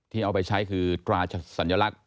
ที่เอาไปใช้คือกราศัลยลักษ์